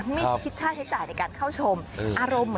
พี่ผมคิดค่าใช้จ่ายแต่เข้าชม